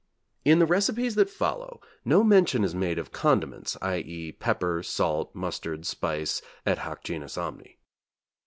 In the recipes that follow no mention is made of condiments, i.e., pepper, salt, mustard, spice, et hoc genus omni.